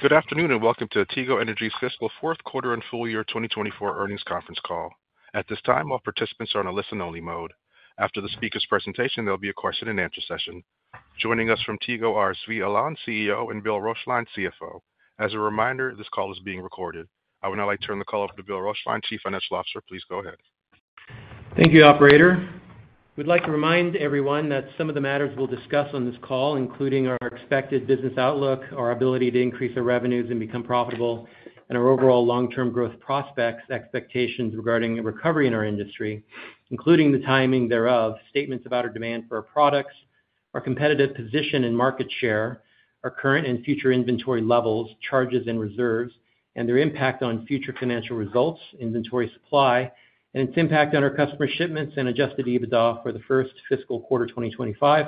Good afternoon and welcome to Tigo Energy's Fiscal Fourth Quarter and Full Year 2024 Earnings Conference Call. At this time, all participants are on a listen-only mode. After the speaker's presentation, there'll be a question-and-answer session. Joining us from Tigo are Zvi Alon, CEO, and Bill Roeschlein, CFO. As a reminder, this call is being recorded. I would now like to turn the call over to Bill Roeschlein, Chief Financial Officer. Please go ahead. Thank you, Operator. We'd like to remind everyone that some of the matters we'll discuss on this call, including our expected business outlook, our ability to increase our revenues and become profitable, and our overall long-term growth prospects, expectations regarding recovery in our industry, including the timing thereof, statements about our demand for our products, our competitive position and market share, our current and future inventory levels, charges and reserves, and their impact on future financial results, inventory supply, and its impact on our customer shipments and adjusted EBITDA for the first fiscal quarter 2025,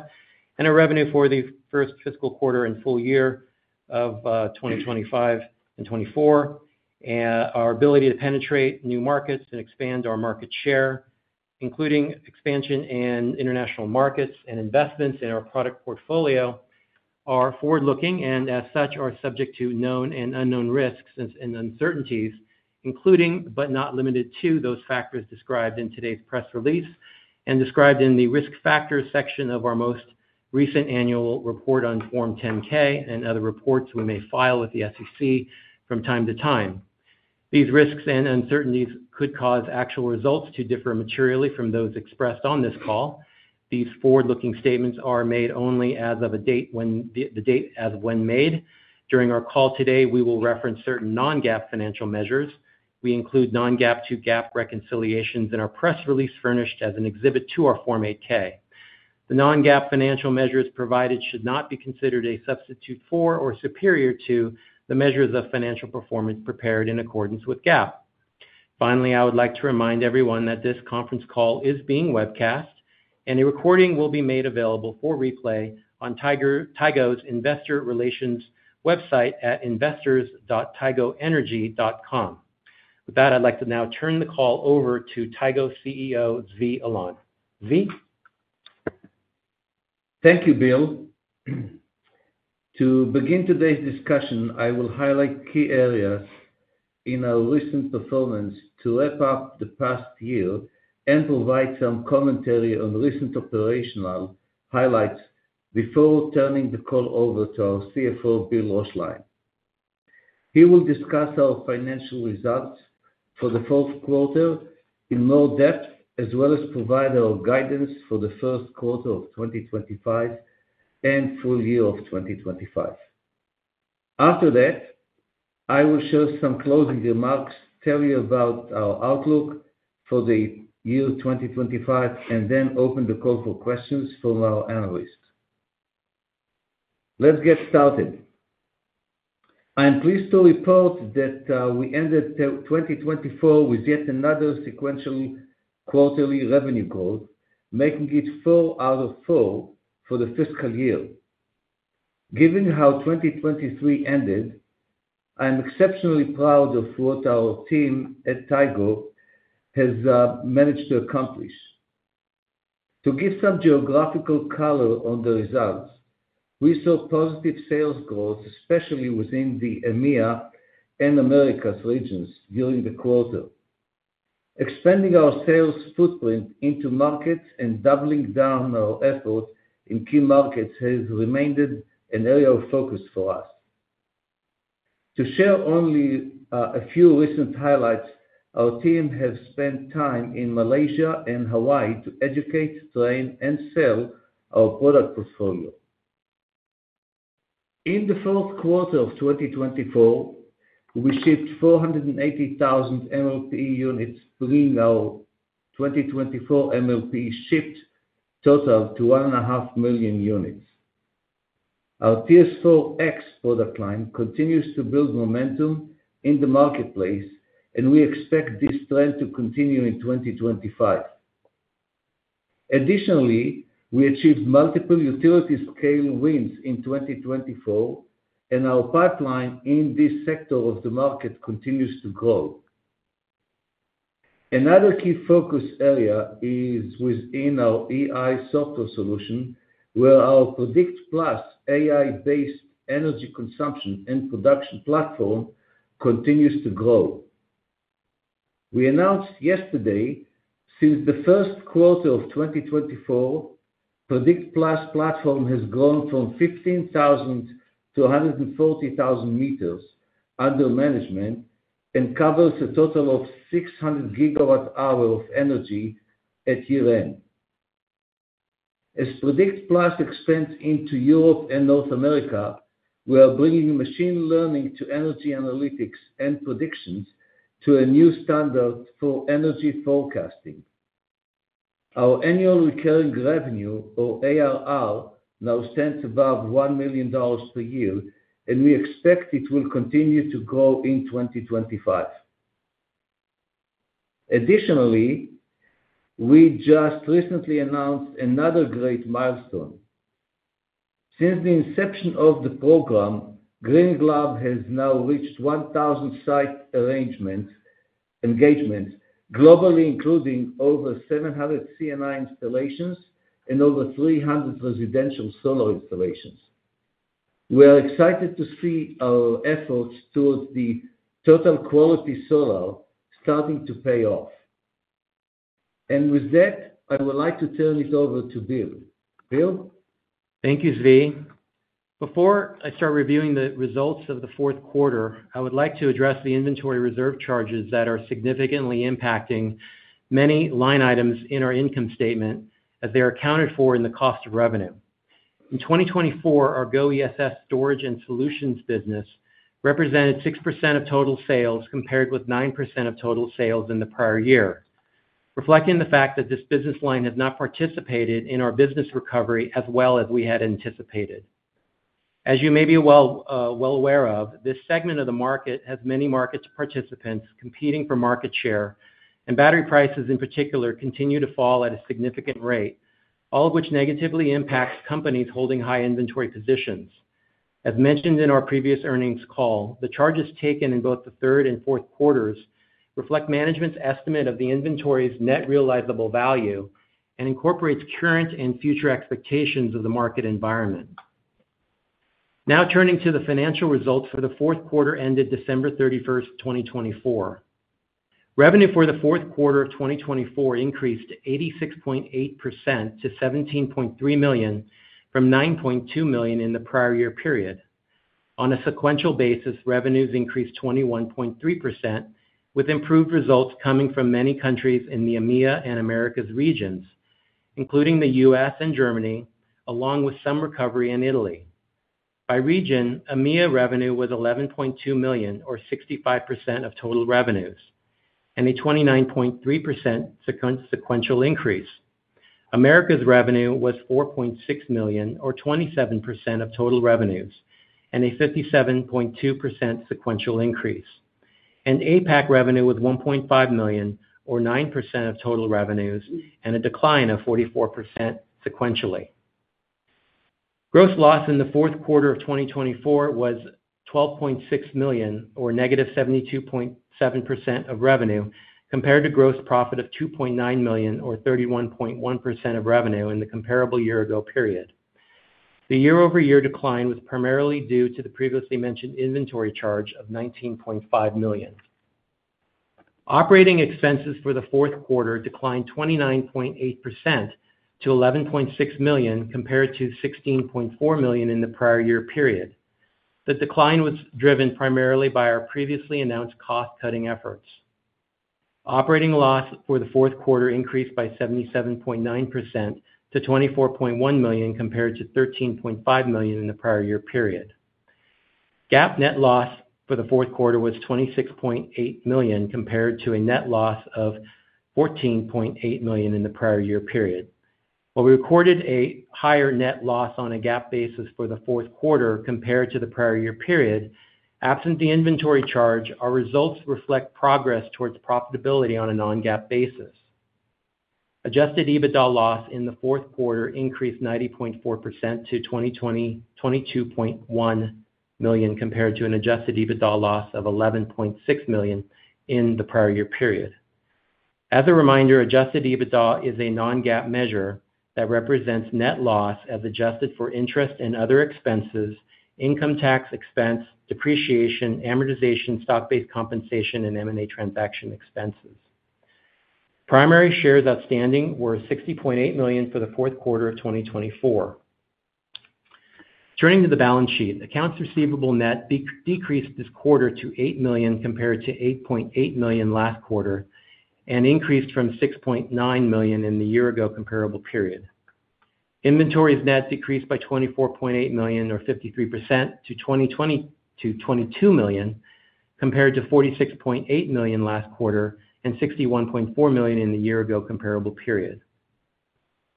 and our revenue for the first fiscal quarter and full year of 2025 and 2024, and our ability to penetrate new markets and expand our market share, including expansion in international markets and investments in our product portfolio, are forward-looking and, as such, are subject to known and unknown risks and uncertainties, including but not limited to those factors described in today's press release and described in the risk factors section of our most recent annual report on Form 10-K and other reports we may file with the SEC from time to time. These risks and uncertainties could cause actual results to differ materially from those expressed on this call. These forward-looking statements are made only as of the date as of when made. During our call today, we will reference certain non-GAAP financial measures. We include non-GAAP to GAAP reconciliations in our press release furnished as an exhibit to our Form 8-K. The non-GAAP financial measures provided should not be considered a substitute for or superior to the measures of financial performance prepared in accordance with GAAP. Finally, I would like to remind everyone that this conference call is being webcast, and a recording will be made available for replay on Tigo's Investor Relations website at investors.tigo-energy.com. With that, I'd like to now turn the call over to Tigo CEO, Zvi Alon. Zvi? Thank you, Bill. To begin today's discussion, I will highlight key areas in our recent performance to wrap up the past year and provide some commentary on recent operational highlights before turning the call over to our CFO, Bill Roeschlein. He will discuss our financial results for the fourth quarter in more depth, as well as provide our guidance for the first quarter of 2025 and full year of 2025. After that, I will share some closing remarks, tell you about our outlook for the year 2025, and then open the call for questions from our analysts. Let's get started. I'm pleased to report that we ended 2024 with yet another sequential quarterly revenue growth, making it four out of four for the fiscal year. Given how 2023 ended, I'm exceptionally proud of what our team at Tigo has managed to accomplish. To give some geographical color on the results, we saw positive sales growth, especially within the EMEA and Americas regions during the quarter. Expanding our sales footprint into markets and doubling down our efforts in key markets has remained an area of focus for us. To share only a few recent highlights, our team has spent time in Malaysia and Hawaii to educate, train, and sell our product portfolio. In the fourth quarter of 2024, we shipped 480,000 MLP units, bringing our 2024 MLP shipped total to 1.5 million units. Our TS4X product line continues to build momentum in the marketplace, and we expect this trend to continue in 2025. Additionally, we achieved multiple utility-scale wins in 2024, and our pipeline in this sector of the market continues to grow. Another key focus area is within our EI software solution, where our Predict+ AI-based energy consumption and production platform continues to grow. We announced yesterday that since the first quarter of 2024, Predict+ platform has grown from 15,000 to 140,000 meters under management and covers a total of 600 GWh of energy at year-end. As Predict+ expands into Europe and North America, we are bringing machine learning to energy analytics and predictions to a new standard for energy forecasting. Our annual recurring revenue, or ARR, now stands above $1 million per year, and we expect it will continue to grow in 2025. Additionally, we just recently announced another great milestone. Since the inception of the program, Green Glove has now reached 1,000 site engagements, globally including over 700 C&I installations and over 300 residential solar installations. We are excited to see our efforts towards the total quality solar starting to pay off. With that, I would like to turn it over to Bill. Bill? Thank you, Zvi. Before I start reviewing the results of the fourth quarter, I would like to address the inventory reserve charges that are significantly impacting many line items in our income statement as they are accounted for in the cost of revenue. In 2024, our GO ESS storage and solutions business represented 6% of total sales compared with 9% of total sales in the prior year, reflecting the fact that this business line has not participated in our business recovery as well as we had anticipated. As you may be well aware of, this segment of the market has many market participants competing for market share, and battery prices in particular continue to fall at a significant rate, all of which negatively impacts companies holding high inventory positions. As mentioned in our previous earnings call, the charges taken in both the third and fourth quarters reflect management's estimate of the inventory's net realizable value and incorporate current and future expectations of the market environment. Now turning to the financial results for the fourth quarter ended December 31st, 2024. Revenue for the fourth quarter of 2024 increased 86.8% to $17.3 million from $9.2 million in the prior year period. On a sequential basis, revenues increased 21.3%, with improved results coming from many countries in the EMEA and Americas regions, including the U.S. and Germany, along with some recovery in Italy. By region, EMEA revenue was $11.2 million, or 65% of total revenues, and a 29.3% sequential increase. Americas revenue was $4.6 million, or 27% of total revenues, and a 57.2% sequential increase. APAC revenue was $1.5 million, or 9% of total revenues, and a decline of 44% sequentially. Gross loss in the fourth quarter of 2024 was $12.6 million, or negative 72.7% of revenue, compared to gross profit of $2.9 million, or 31.1% of revenue in the comparable year-ago period. The year-over-year decline was primarily due to the previously mentioned inventory charge of $19.5 million. Operating expenses for the fourth quarter declined 29.8% to $11.6 million, compared to $16.4 million in the prior year period. The decline was driven primarily by our previously announced cost-cutting efforts. Operating loss for the fourth quarter increased by 77.9% to $24.1 million, compared to $13.5 million in the prior year period. GAAP net loss for the fourth quarter was $26.8 million, compared to a net loss of $14.8 million in the prior year period. While we recorded a higher net loss on a GAAP basis for the fourth quarter compared to the prior year period, absent the inventory charge, our results reflect progress towards profitability on a non-GAAP basis. Adjusted EBITDA loss in the fourth quarter increased 90.4% to $22.1 million, compared to an adjusted EBITDA loss of $11.6 million in the prior year period. As a reminder, adjusted EBITDA is a non-GAAP measure that represents net loss as adjusted for interest and other expenses, income tax expense, depreciation, amortization, stock-based compensation, and M&A transaction expenses. Primary shares outstanding were 60.8 million for the fourth quarter of 2024. Turning to the balance sheet, accounts receivable net decreased this quarter to $8 million compared to $8.8 million last quarter and increased from $6.9 million in the year-ago comparable period. Inventory's net decreased by $24.8 million, or 53%, to $22 million, compared to $46.8 million last quarter and $61.4 million in the year-ago comparable period.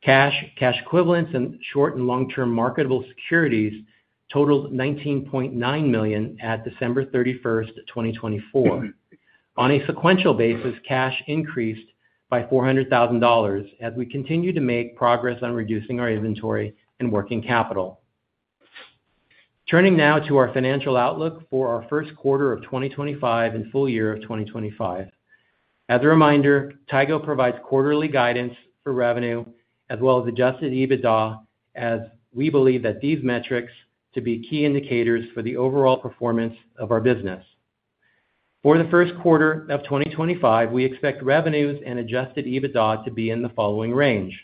Cash, cash equivalents, and short and long-term marketable securities totaled $19.9 million at December 31st, 2024. On a sequential basis, cash increased by $400,000 as we continue to make progress on reducing our inventory and working capital. Turning now to our financial outlook for our first quarter of 2025 and full year of 2025. As a reminder, Tigo provides quarterly guidance for revenue as well as adjusted EBITDA, as we believe that these metrics to be key indicators for the overall performance of our business. For the first quarter of 2025, we expect revenues and adjusted EBITDA to be in the following range.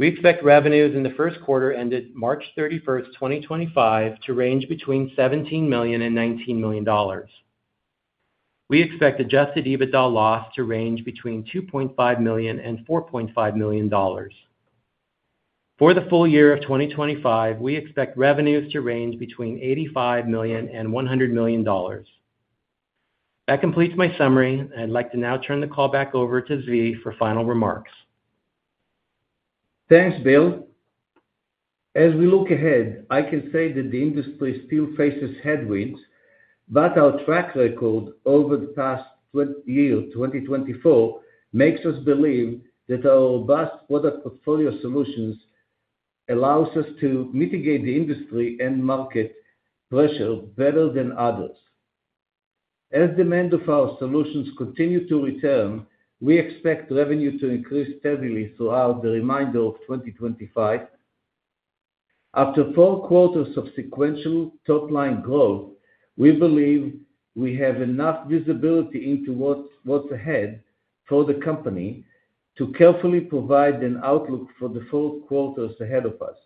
We expect revenues in the first quarter ended March 31st, 2025, to range between $17 million and $19 million. We expect adjusted EBITDA loss to range between $2.5 million-$4.5 million. For the full year of 2025, we expect revenues to range between $85 million-$100 million. That completes my summary. I'd like to now turn the call back over to Zvi for final remarks. Thanks, Bill. As we look ahead, I can say that the industry still faces headwinds, but our track record over the past year, 2024, makes us believe that our robust product portfolio solutions allow us to mitigate the industry and market pressure better than others. As demand of our solutions continues to return, we expect revenue to increase steadily throughout the remainder of 2025. After four quarters of sequential top-line growth, we believe we have enough visibility into what's ahead for the company to carefully provide an outlook for the four quarters ahead of us.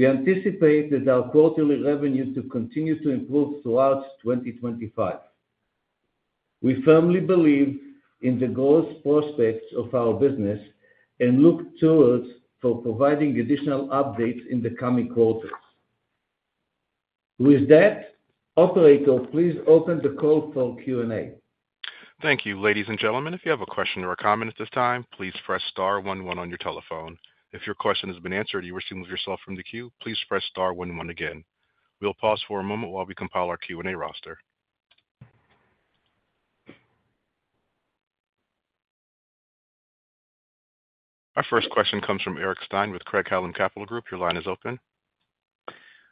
We anticipate that our quarterly revenues will continue to improve throughout 2025. We firmly believe in the growth prospects of our business and look forward to providing additional updates in the coming quarters. With that, operator, please open the call for Q&A. Thank you, ladies and gentlemen. If you have a question or a comment at this time, please press star one one on your telephone. If your question has been answered and you wish to move yourself from the queue, please press star one one again. We'll pause for a moment while we compile our Q&A roster. Our first question comes from Eric Stine with Craig-Hallum Capital Group. Your line is open.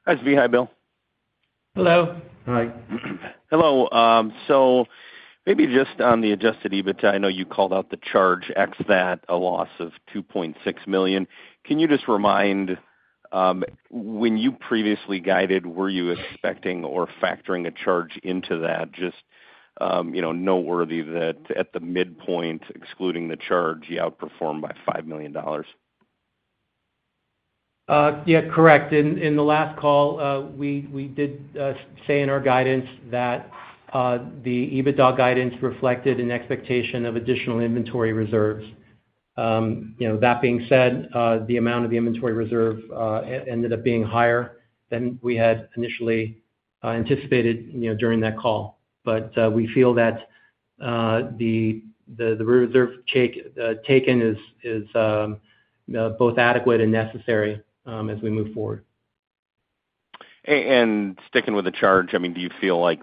Hi, Zvi. Hi, Bill. Hello. Hi. Hello. Maybe just on the adjusted EBITDA, I know you called out the charge X that a loss of $2.6 million. Can you just remind, when you previously guided, were you expecting or factoring a charge into that? Just noteworthy that at the midpoint, excluding the charge, you outperformed by $5 million. Yeah, correct. In the last call, we did say in our guidance that the EBITDA guidance reflected an expectation of additional inventory reserves. That being said, the amount of the inventory reserve ended up being higher than we had initially anticipated during that call. We feel that the reserve taken is both adequate and necessary as we move forward. Sticking with the charge, I mean, do you feel like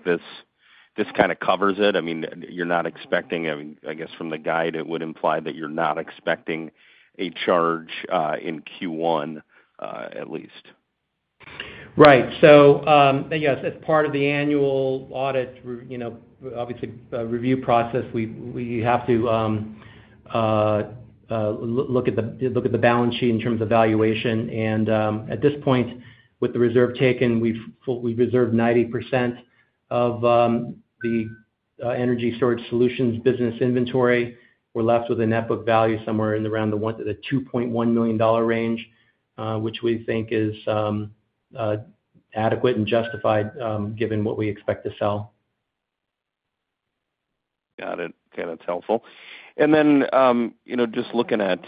this kind of covers it? I mean, you're not expecting, I guess, from the guide, it would imply that you're not expecting a charge in Q1, at least. Right. Yes, as part of the annual audit, obviously, review process, we have to look at the balance sheet in terms of valuation. At this point, with the reserve taken, we've reserved 90% of the energy storage solutions business inventory. We're left with a net book value somewhere around the $2.1 million range, which we think is adequate and justified given what we expect to sell. Got it. Okay. That's helpful. Just looking at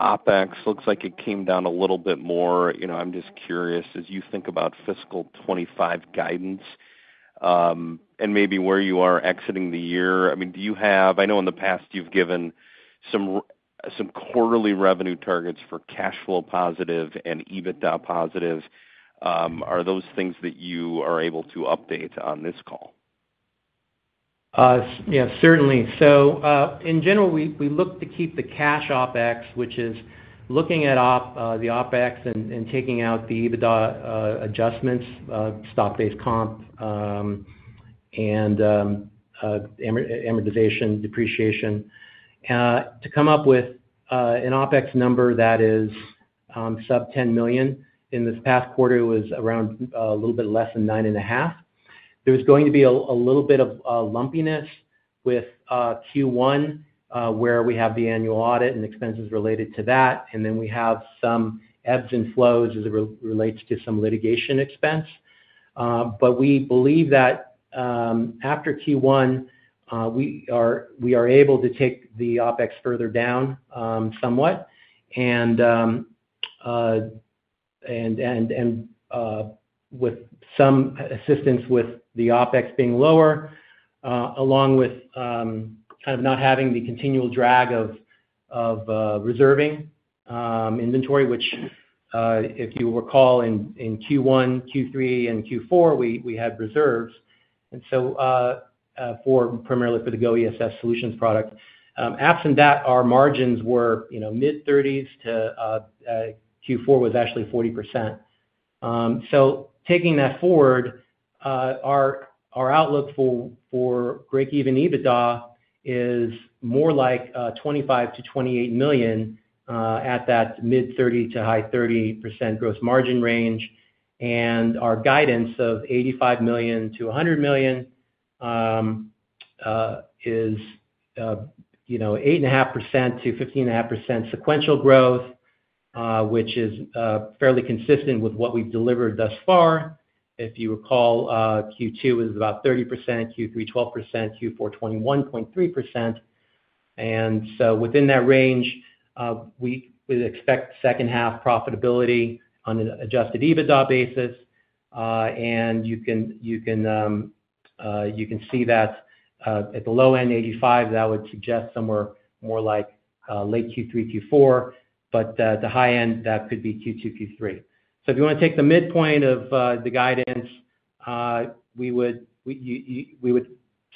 OpEx, looks like it came down a little bit more. I'm just curious, as you think about fiscal 2025 guidance and maybe where you are exiting the year, I mean, do you have—I know in the past you've given some quarterly revenue targets for cash flow positive and EBITDA positive. Are those things that you are able to update on this call? Yeah, certainly. In general, we look to keep the cash OpEx, which is looking at the OpEx and taking out the EBITDA adjustments, stock-based comp, and amortization, depreciation, to come up with an OpEx number that is sub $10 million. In this past quarter, it was around a little bit less than $9.5 million. There is going to be a little bit of lumpiness with Q1, where we have the annual audit and expenses related to that. We have some ebbs and flows as it relates to some litigation expense. We believe that after Q1, we are able to take the OpEx further down somewhat. With some assistance with the OpEx being lower, along with kind of not having the continual drag of reserving inventory, which, if you recall, in Q1, Q3, and Q4, we had reserves. Primarily for the GO ESS solutions product. Absent that, our margins were mid-30s to Q4 was actually 40%. Taking that forward, our outlook for break-even EBITDA is more like $25 million-$28 million at that mid-30%-high 30% gross margin range. Our guidance of $85 million-$100 million is 8.5%-15.5% sequential growth, which is fairly consistent with what we've delivered thus far. If you recall, Q2 was about 30%, Q3 12%, Q4 21.3%. Within that range, we expect second-half profitability on an adjusted EBITDA basis. You can see that at the low end, $85 million, that would suggest somewhere more like late Q3, Q4. At the high end, that could be Q2, Q3. If you want to take the midpoint of the guidance, we would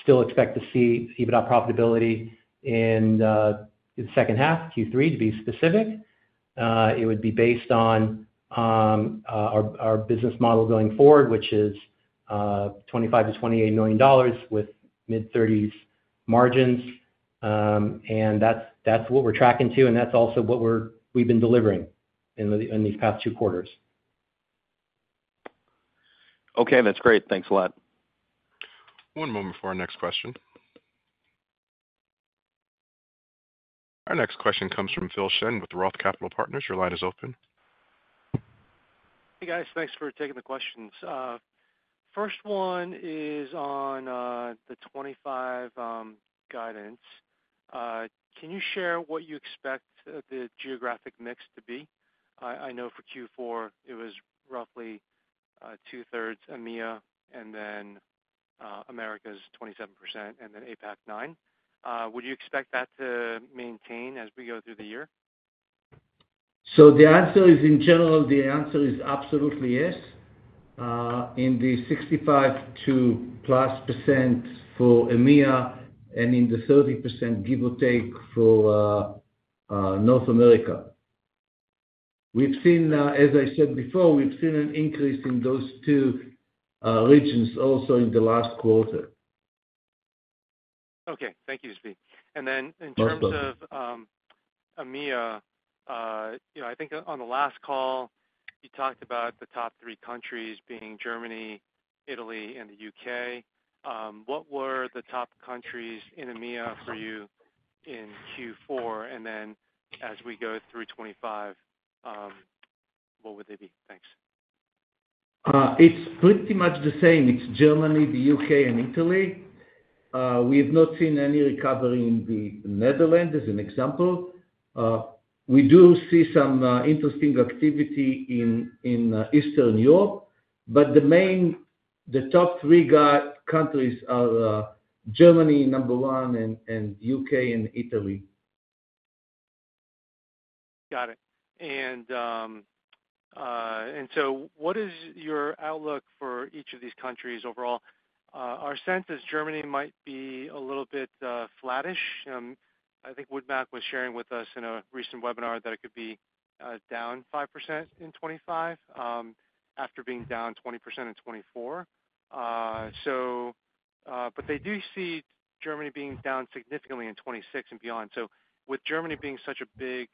still expect to see EBITDA profitability in the second half, Q3, to be specific. It would be based on our business model going forward, which is $25 million-$28 million with mid-30% margins. That is what we are tracking to. That is also what we have been delivering in these past two quarters. Okay. That's great. Thanks a lot. One moment for our next question. Our next question comes from Phil Shen with ROTH Capital Partners. Your line is open. Hey, guys. Thanks for taking the questions. First one is on the 2025 guidance. Can you share what you expect the geographic mix to be? I know for Q4, it was roughly two-thirds EMEA and then Americas 27% and then APAC 9%. Would you expect that to maintain as we go through the year? The answer is, in general, the answer is absolutely yes in the 65% to plus percent for EMEA and in the 30% give or take for North America. As I said before, we've seen an increase in those two regions also in the last quarter. Okay. Thank you, Zvi. In terms of EMEA, I think on the last call, you talked about the top three countries being Germany, Italy, and the U.K. What were the top countries in EMEA for you in Q4? As we go through 2025, what would they be? Thanks. It's pretty much the same. It's Germany, the U.K., and Italy. We have not seen any recovery in the Netherlands, as an example. We do see some interesting activity in Eastern Europe. The top three countries are Germany number one and U.K. and Italy. Got it. And so what is your outlook for each of these countries overall? Our sense is Germany might be a little bit flattish. I think Wood Mackenzie was sharing with us in a recent webinar that it could be down 5% in 2025 after being down 20% in 2024. But they do see Germany being down significantly in 2026 and beyond. So with Germany being such a big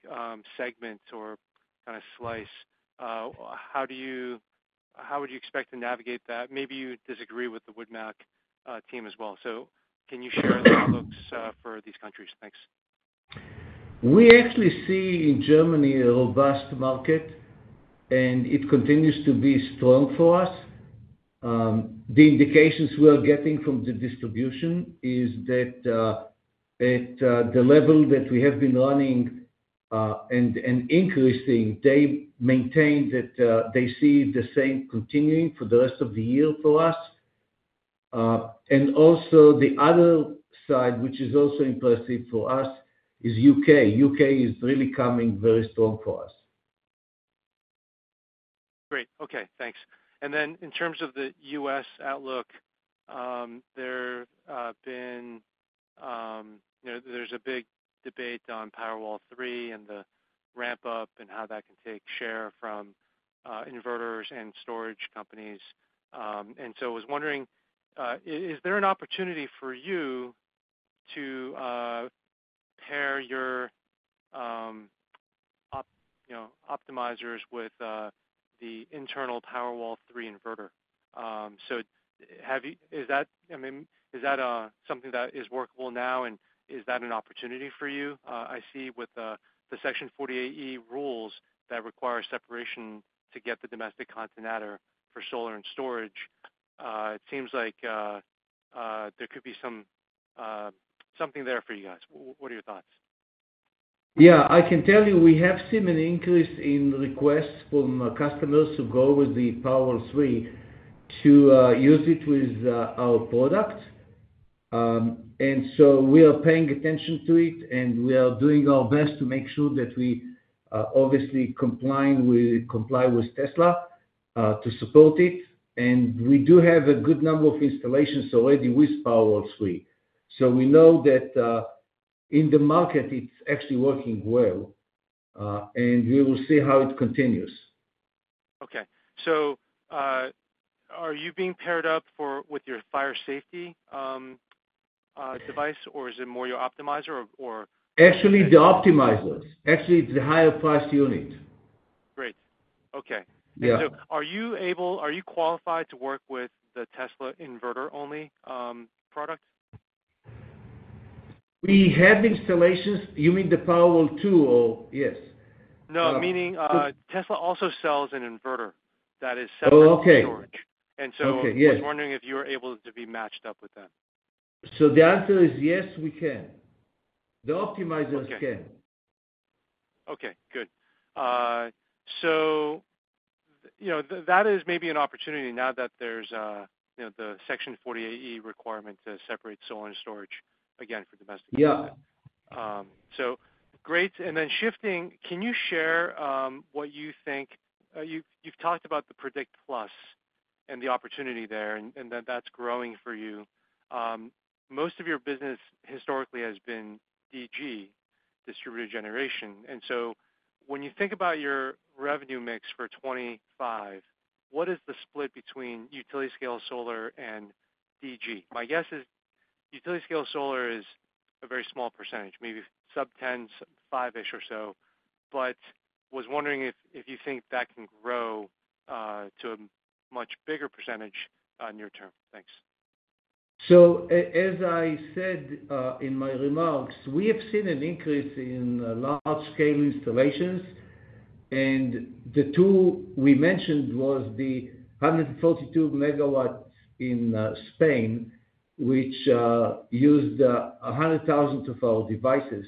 segment or kind of slice, how would you expect to navigate that? Maybe you disagree with the Wood Mac team as well. So can you share the outlooks for these countries? Thanks. We actually see in Germany a robust market, and it continues to be strong for us. The indications we are getting from the distribution is that at the level that we have been running and increasing, they maintain that they see the same continuing for the rest of the year for us. Also, the other side, which is also impressive for us, is the U.K. U.K. is really coming very strong for us. Great. Okay. Thanks. In terms of the US outlook, there's a big debate on Powerwall 3 and the ramp-up and how that can take share from inverters and storage companies. I was wondering, is there an opportunity for you to pair your optimizers with the internal Powerwall 3 inverter? Is that, I mean, is that something that is workable now? Is that an opportunity for you? I see with the Section 48E rules that require separation to get the domestic content out of for solar and storage, it seems like there could be something there for you guys. What are your thoughts? Yeah. I can tell you we have seen an increase in requests from customers to go with the Powerwall 3 to use it with our products. We are paying attention to it, and we are doing our best to make sure that we obviously comply with Tesla to support it. We do have a good number of installations already with Powerwall 3. We know that in the market, it's actually working well. We will see how it continues. Okay. Are you being paired up with your fire safety device, or is it more your optimizer, or? Actually, the optimizers. Actually, it's the higher-priced unit. Great. Okay. Are you qualified to work with the Tesla inverter-only product? We have installations. You mean the Powerwall 2? Oh, yes. No, meaning Tesla also sells an inverter that is separate from storage. I was wondering if you were able to be matched up with them. Yes, we can. The optimizers can. Okay. Good. That is maybe an opportunity now that there's the Section 48E requirement to separate solar and storage again for domestic use. Yeah. Great. And then shifting, can you share what you think? You've talked about the Predict+ and the opportunity there, and that that's growing for you. Most of your business historically has been DG, distributed generation. And so when you think about your revenue mix for 2025, what is the split between utility-scale solar and DG? My guess is utility-scale solar is a very small percentage, maybe sub 10%, 5%-ish or so. But I was wondering if you think that can grow to a much bigger percentage near term. Thanks. As I said in my remarks, we have seen an increase in large-scale installations. The two we mentioned were the 142 MW in Spain, which used 100,000 of our devices.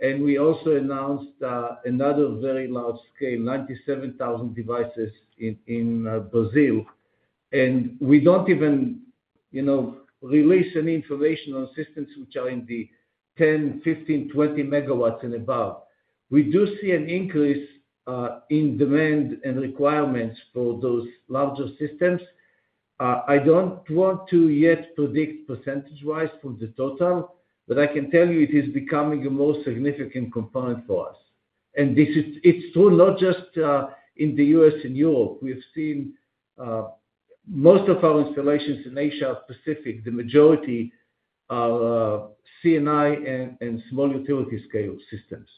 We also announced another very large-scale, 97,000 devices in Brazil. We do not even release any information on systems which are in the 10, 15, 20 MW and above. We do see an increase in demand and requirements for those larger systems. I do not want to yet predict percentage-wise for the total, but I can tell you it is becoming a more significant component for us. It is true not just in the U.S. and Europe. We have seen most of our installations in Asia-Pacific, the majority are C&I and small utility-scale systems.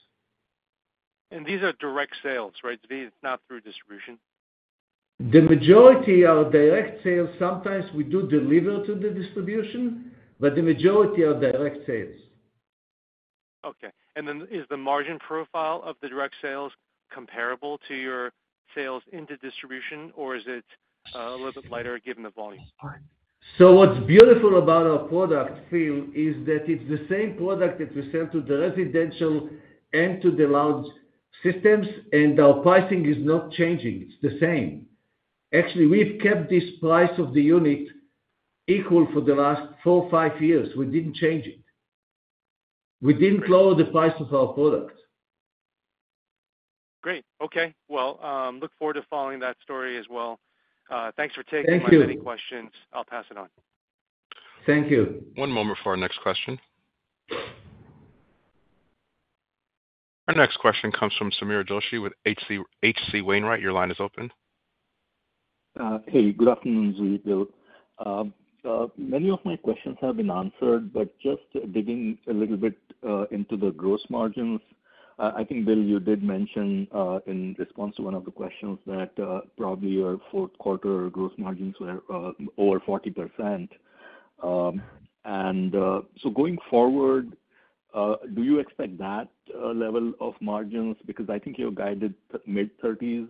These are direct sales, right? It's not through distribution? The majority are direct sales. Sometimes we do deliver to the distribution, but the majority are direct sales. Okay. Is the margin profile of the direct sales comparable to your sales into distribution, or is it a little bit lighter given the volume? What's beautiful about our product, Phil, is that it's the same product that we sell to the residential and to the large systems, and our pricing is not changing. It's the same. Actually, we've kept this price of the unit equal for the last four, five years. We didn't change it. We didn't lower the price of our product. Great. Okay. Look forward to following that story as well. Thanks for taking my many questions. I'll pass it on. Thank you. One moment for our next question. Our next question comes from Sameer Joshi with H.C. Wainwright. Your line is open. Hey, good afternoon, Zvi and Bill. Many of my questions have been answered, but just digging a little bit into the gross margins, I think, Bill, you did mention in response to one of the questions that probably your fourth-quarter gross margins were over 40%. Going forward, do you expect that level of margins? I think your guide did mid-30s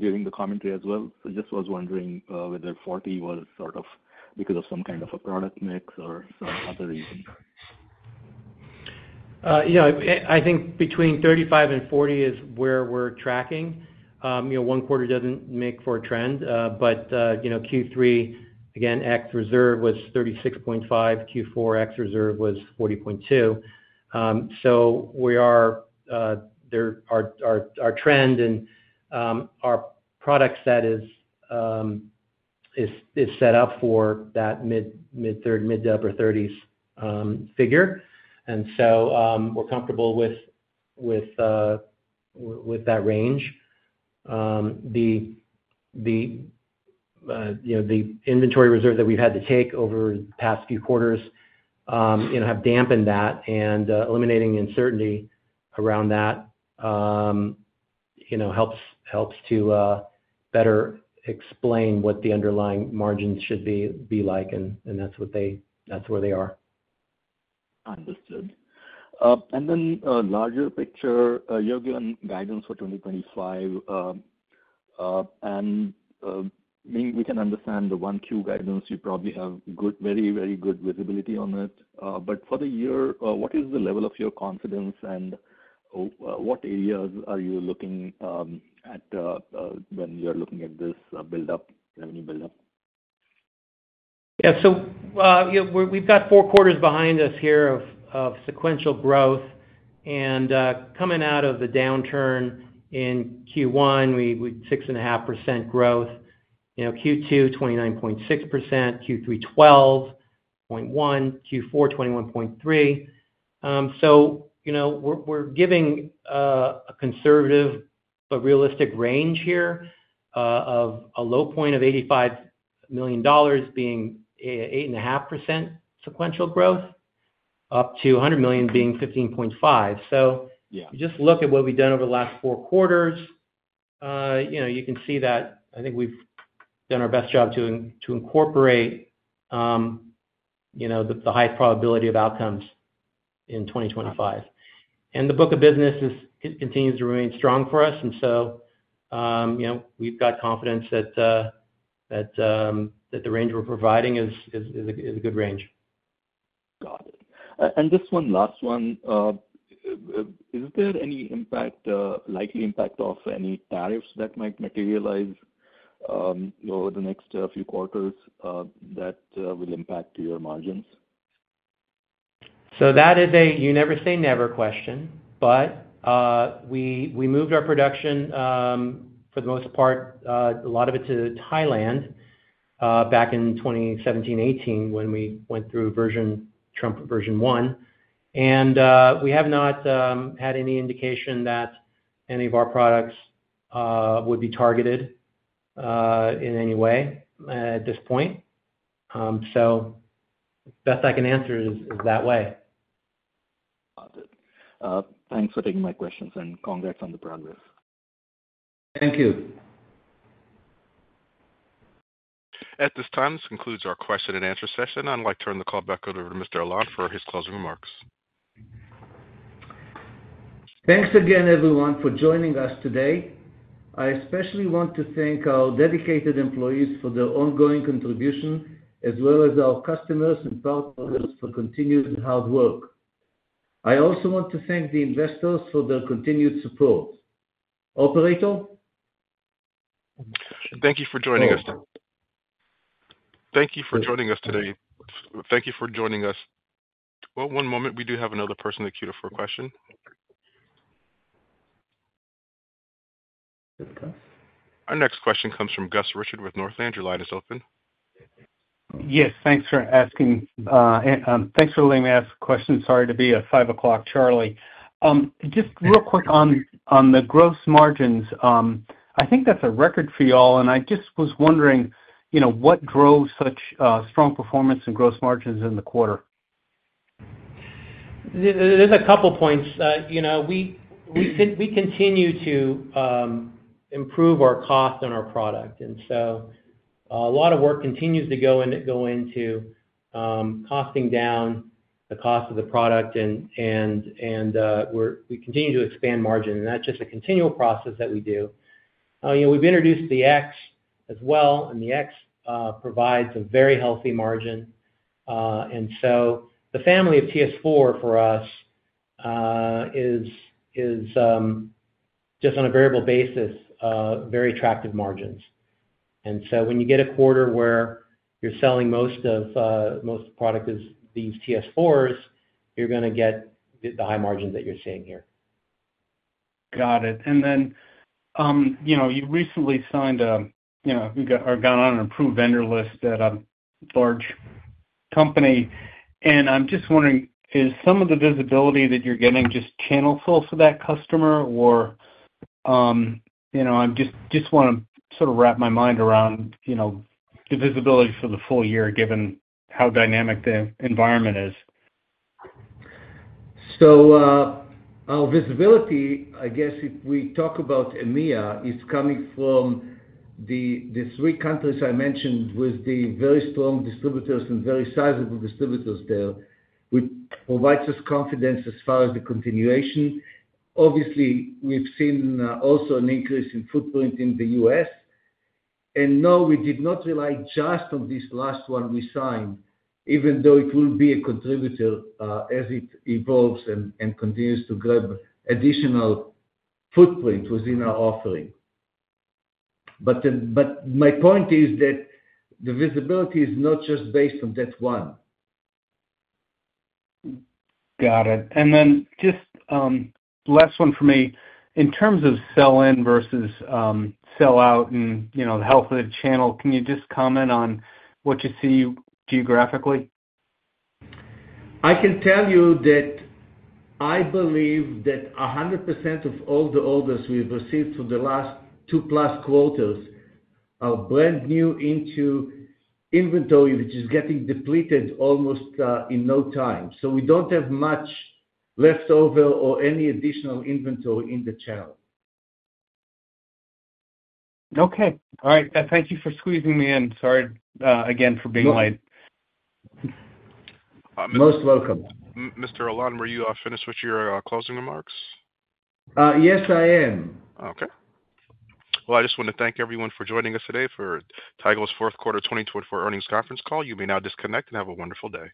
during the commentary as well. I was just wondering whether 40 was sort of because of some kind of a product mix or some other reason. Yeah. I think between 35 and 40 is where we're tracking. One quarter doesn't make for a trend. Q3, again, X reserve was 36.5. Q4, X reserve was 40.2. Our trend and our product set is set up for that mid-30s, mid-to-upper 30s figure. We are comfortable with that range. The inventory reserve that we've had to take over the past few quarters have dampened that. Eliminating uncertainty around that helps to better explain what the underlying margins should be like. That's where they are. Understood. And then larger picture, you're given guidance for 2025. And we can understand the 1Q guidance. You probably have very, very good visibility on it. But for the year, what is the level of your confidence, and what areas are you looking at when you're looking at this revenue build-up? Yeah. So we've got four quarters behind us here of sequential growth. Coming out of the downturn in Q1, we had 6.5% growth. Q2, 29.6%. Q3, 12.1%. Q4, 21.3%. We're giving a conservative but realistic range here of a low point of $85 million being 8.5% sequential growth, up to $100 million being 15.5%. If you just look at what we've done over the last four quarters, you can see that I think we've done our best job to incorporate the highest probability of outcomes in 2025. The book of business continues to remain strong for us. We've got confidence that the range we're providing is a good range. Got it. This one last one, is there any likely impact of any tariffs that might materialize over the next few quarters that will impact your margins? That is a you never say never question. We moved our production for the most part, a lot of it to Thailand back in 2017, 2018 when we went through Trump version one. We have not had any indication that any of our products would be targeted in any way at this point. The best I can answer is that way. Got it. Thanks for taking my questions, and congrats on the progress. Thank you. At this time, this concludes our question-and-answer session. I'd like to turn the call back over to Mr. Alon for his closing remarks. Thanks again, everyone, for joining us today. I especially want to thank our dedicated employees for their ongoing contribution, as well as our customers and partners for continued hard work. I also want to thank the investors for their continued support. Operator? Thank you for joining us. Thank you for joining us today. Thank you for joining us. One moment. We do have another person at queue for a question. Our next question comes from Gus Richard with Northland. Your line is open. Yes. Thanks for asking. Thanks for letting me ask a question. Sorry to be a five o'clock Charlie. Just real quick on the gross margins. I think that's a record for you all. And I just was wondering, what drove such strong performance in gross margins in the quarter? There's a couple of points. We continue to improve our cost and our product. A lot of work continues to go into costing down the cost of the product. We continue to expand margin. That's just a continual process that we do. We've introduced the X as well. The X provides a very healthy margin. The family of TS4 for us is just on a variable basis, very attractive margins. When you get a quarter where you're selling most of the product is these TS4s, you're going to get the high margins that you're seeing here. Got it. You recently signed a—we've gone on an approved vendor list at a large company. I'm just wondering, is some of the visibility that you're getting just channelful for that customer? I just want to sort of wrap my mind around the visibility for the full year given how dynamic the environment is. Our visibility, I guess if we talk about EMEA, is coming from the three countries I mentioned with the very strong distributors and very sizable distributors there, which provides us confidence as far as the continuation. Obviously, we've seen also an increase in footprint in the US. No, we did not rely just on this last one we signed, even though it will be a contributor as it evolves and continues to grab additional footprint within our offering. My point is that the visibility is not just based on that one. Got it. And then just last one for me. In terms of sell-in versus sell-out and the health of the channel, can you just comment on what you see geographically? I can tell you that I believe that 100% of all the orders we've received for the last two-plus quarters are brand new into inventory, which is getting depleted almost in no time. We don't have much leftover or any additional inventory in the channel. Okay. All right. Thank you for squeezing me in. Sorry again for being late. Most welcome. Mr. Alon, were you finished with your closing remarks? Yes, I am. Okay. I just want to thank everyone for joining us today for Tigo's Fourth Quarter 2024 Earnings Conference Call. You may now disconnect and have a wonderful day.